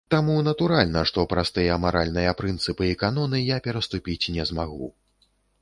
Таму, натуральна, што праз тыя маральныя прынцыпы і каноны я пераступіць не змагу.